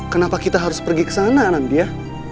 kenapa kita harus pergi ke sana nandia